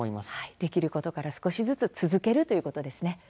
できることから少しずつ続けるということですね。